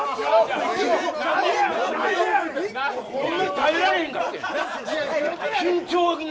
耐えられへんかってん緊張に。